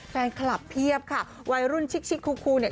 แฟนคลับเพียบค่ะวัยรุ่นชิคคูเนี่ย